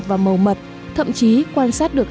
và màu mật thậm chí quan sát được